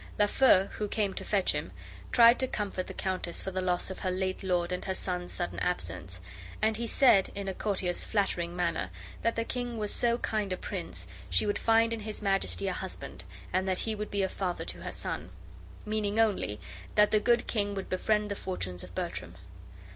Lafeu, who came to fetch him, tried to comfort the countess for the loss of her late lord and her son's sudden absence; and he said, in a courtier's flattering manner, that the king was so kind a prince, she would find in his Majesty a husband, and that he would be a father to her son; meaning only that the good king would befriend the fortunes of Bertram.